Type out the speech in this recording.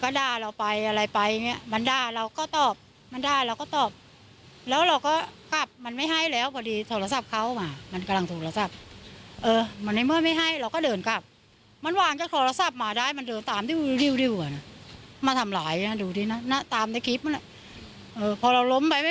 พอเราล้มไปไม่พอก็โดดควิลีมาจับเหาะโคนเข้าแล้วกิน